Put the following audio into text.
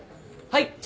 はい。